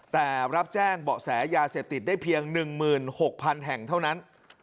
แต่รับแจ้งเบาะแสยาเสพติดได้เพียง๑๖๐๐๐แห่งเท่านั้น